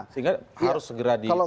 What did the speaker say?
sehingga harus segera ditutupkan